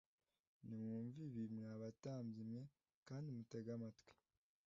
Nimwumve ibi mwa batambyi mwe kandi mutege amatwi